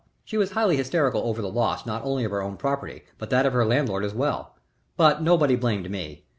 She was highly hysterical over the loss not only of her own property but that of her landlord as well, but nobody blamed me.